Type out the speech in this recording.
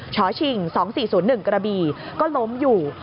ชชิง๒๔๐๑กระบี่ก็ล้มอยู่